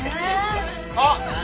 あっ！